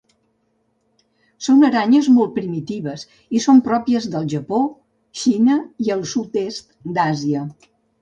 Són aranyes molt primitives i són pròpies del Japó, Xina i el sud-est d'Àsia.